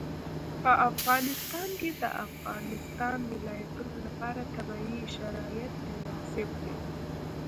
په افغانستان کې د د افغانستان ولايتونه لپاره طبیعي شرایط مناسب دي.